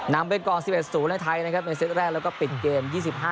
นำไปก่อน๑๑๐ในไทยนะครับในเซตแรกแล้วก็ปิดเกม๒๕